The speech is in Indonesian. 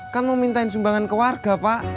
kan mau mintain sumbangan ke warga pak